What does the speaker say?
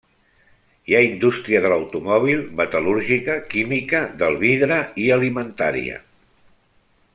Hi ha indústria de l'automòbil, metal·lúrgica, química, del vidre i alimentària.